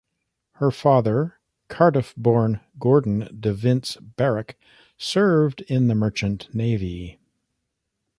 Her father, Cardiff-born Gordon De Vince Barrack, served in the Merchant Navy.